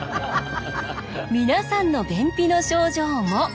皆さんの便秘の症状も。